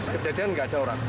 kejadian nggak ada orang